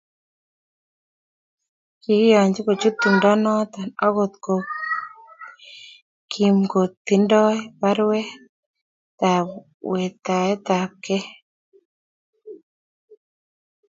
Kikiyanji kochut tumdo noto akot ko kimkotidoi barwet ab ketache bik.